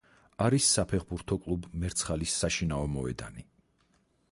არის საფეხბურთო კლუბ „მერცხალის“ საშინაო მოედანი.